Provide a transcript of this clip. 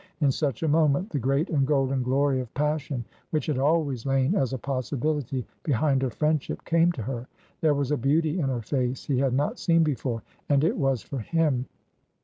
In such a moment the great and golden glory of passion — which had always lain as a possibility behind her friendship — came to her. There was a beauty in her face he had not seen before, and it was for him.